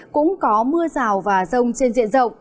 cũng có mưa rào và rông trên diện rộng